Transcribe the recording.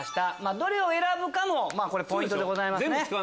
どれを選ぶかもポイントでございます。